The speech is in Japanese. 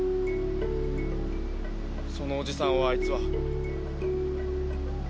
そのおじさんをあいつは。